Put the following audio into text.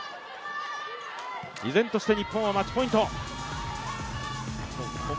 依然として日本はマッチポイント。